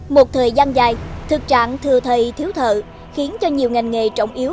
một thời gian dài thực trạng thừa thầy thiếu thợ khiến cho nhiều ngành nghề trọng yếu